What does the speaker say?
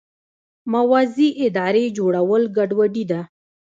موازي ادارې جوړول ګډوډي ده.